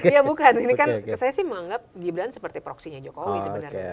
iya bukan ini kan saya sih menganggap gibran seperti proksinya jokowi sebenarnya